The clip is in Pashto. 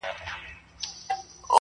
په خبرو کي یې دومره ږغ اوچت کړ.!